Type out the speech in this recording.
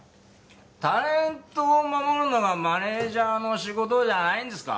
タレントを守るのがマネジャーの仕事じゃないんですか！？